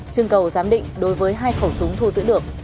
chương cầu giám định đối với hai khẩu súng thu giữ được